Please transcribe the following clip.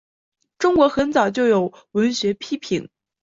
中国很早就有文学批评。